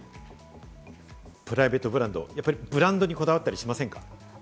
プライベートブランド、ブランドにこだわったりしませんか？